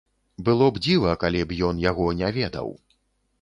Было б дзіва, калі б ён яго не ведаў.